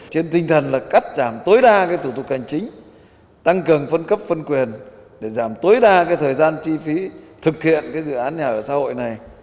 trên tinh thần là cắt giảm tối đa thủ tục hành chính tăng cường phân cấp phân quyền để giảm tối đa thời gian chi phí thực hiện dự án nhà ở xã hội này